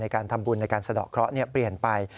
การทำบุญในการสะดอกเคราะห์เปลี่ยนไป